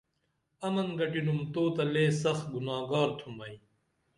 امن گھٹینُم تو تہ لے سخ گُناہگار تُھم ائی